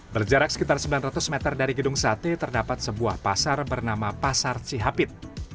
berjarak sekitar sembilan ratus meter dari gedung sate terdapat sebuah pasar bernama pasar cihapit